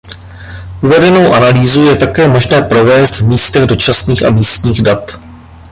Uvedenou analýzu je také možné provést v místech dočasných a místních dat.